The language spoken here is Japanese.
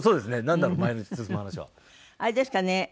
あれですかね。